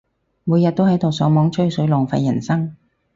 每日都喺度上網吹水，浪費人生